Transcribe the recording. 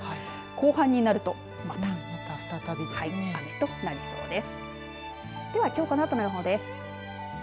後半になると、また雨となりそうです。